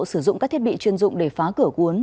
sử dụng các thiết bị chuyên dụng để phá cửa cuốn